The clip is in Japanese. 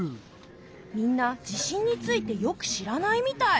みんな地震についてよく知らないみたい。